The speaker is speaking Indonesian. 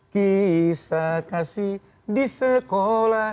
kisah kasih di sekolah